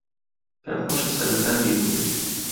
پێم خۆشە سەرەتا بیبینم.